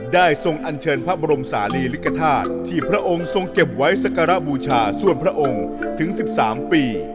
ทรงอันเชิญพระบรมศาลีลิกธาตุที่พระองค์ทรงเก็บไว้สักการะบูชาส่วนพระองค์ถึง๑๓ปี